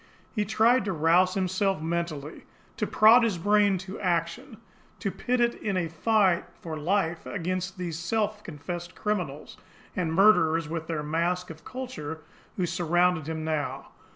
He tried to rouse himself mentally, to prod his brain to action, to pit it in a fight for life against these self confessed criminals and murderers with their mask of culture, who surrounded him now.